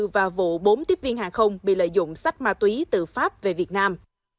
và vụ bốn tiếp viên hàng không bị lợi dụng sách ma túy tự pháp về việt nam